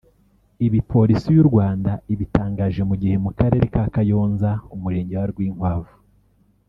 Ibi Polisi y’u Rwanda ibitangaje mu gihe mu karere ka Kayonza umurenge wa Rwinkwavu